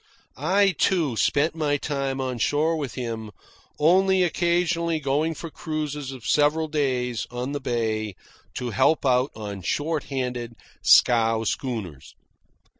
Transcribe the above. I, too, spent my time on shore with him, only occasionally going for cruises of several days on the bay to help out on short handed scow schooners.